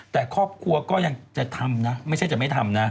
แต่ครอบครัวก็ยังจะทำนะไม่ใช่จะไม่ทำนะ